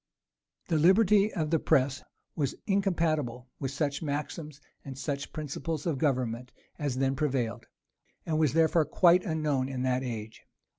The liberty of the press was incompatible with such maxims and such principles of government as then prevailed, and was therefore quite unknown in that age.